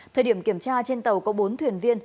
thời điểm kiểm tra trên tàu có bốn thuyền viên